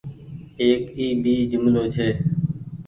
ايڪ اي ڀي جملو ڇي